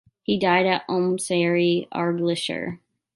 He died at Ormsary, Argyllshire.